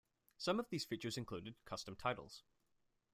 Some of these features included: Custom titles.